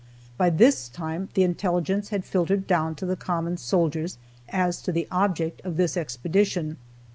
By this time the intelligence had filtered down to the common soldiers as to the object of this expedition.